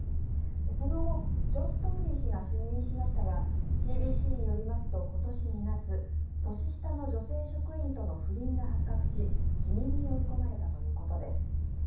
その後、ジョン・トーリー氏が就任しましたがＣＢＣによりますと今年２月年下の女性職員との不倫が発覚し辞任に追い込まれたということです。